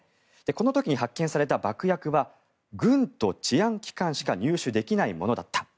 この時に発見された爆薬は軍と治安機関しか入手できないものだった。